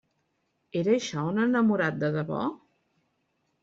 Era això un enamorat de debò?